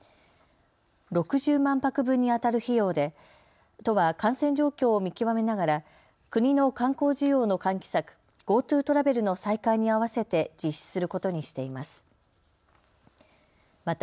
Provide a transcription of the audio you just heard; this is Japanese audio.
６０万泊分にあたる費用で都は感染状況を見極めながら国の観光需要の喚起策、ＧｏＴｏトラベルの再開に合わせて実施することにしています。